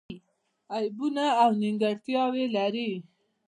عیبونه او نیمګړتیاوې لري.